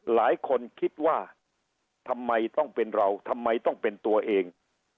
หลายคนคิดว่าทำไมต้องเป็นเราทำไมต้องเป็นตัวเอง